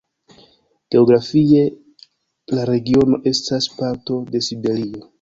Geografie la regiono estas parto de Siberio.